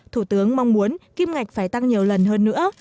thủ tướng mong muốn kim ngạch phải tăng nhiều lần hơn nữa